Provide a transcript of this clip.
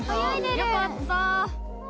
よかった。